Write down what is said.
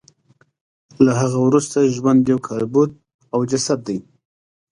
له هغه وروسته ژوند یوازې یو کالبد او جسد دی